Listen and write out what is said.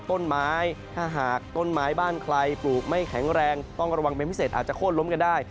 ต้นไม้ถ้าหากต้นไม้บ้านใครปลูกไม่แข็งแรงต้องระวังเป็นพิเศษอาจจะโค้นล้มกันได้